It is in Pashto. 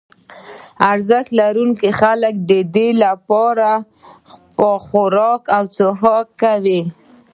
ارزښت لرونکي خلک ددې لپاره خوراک او څښاک کوي.